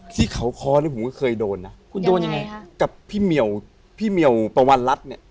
ที่เขาคอนี่ผมก็เคยโดนนะคุณโดนยังไงฮะกับพี่เหมียวพี่เหมียวปวัลรัฐเนี่ย